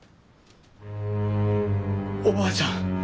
おばあちゃん！